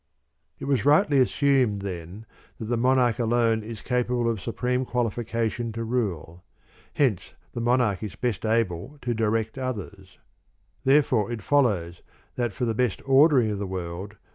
"' 3. It was rightly assumed, then, that the Monarch alone is capable of supreme qualifica tion to rule. Hence the Monarch is best able to direct others. Therefore it follows that for the best ordering of the world.